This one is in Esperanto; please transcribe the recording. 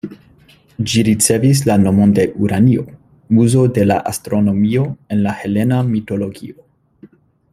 Ĝi ricevis la nomon de Uranio, muzo de la astronomio en la helena mitologio.